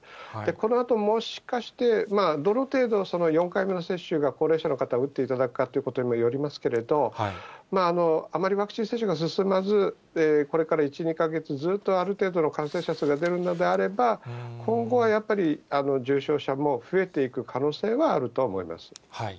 このあと、もしかして、どの程度、４回目の接種が高齢者の方打っていただくかということにもよりますけれども、あまりワクチン接種が進まず、これから１、２か月、ずっとある程度の感染者数が出るのであれば、今後はやっぱり、重症者も増えていく可能性はあるとは思います。